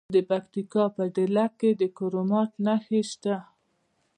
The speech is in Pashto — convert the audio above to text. د پکتیکا په دیله کې د کرومایټ نښې شته.